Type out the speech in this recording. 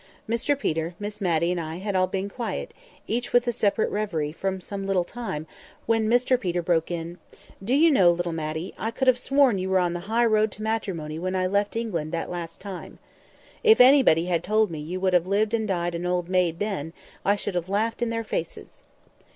Mr Peter, Miss Matty, and I had all been quiet, each with a separate reverie, for some little time, when Mr Peter broke in— "Do you know, little Matty, I could have sworn you were on the high road to matrimony when I left England that last time! If anybody had told me you would have lived and died an old maid then, I should have laughed in their faces."